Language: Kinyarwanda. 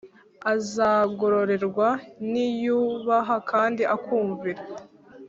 azagororerwa niyubaha kandi akumvira